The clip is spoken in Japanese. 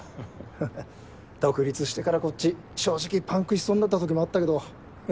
フフッ独立してからこっち正直パンクしそうになった時もあったけど。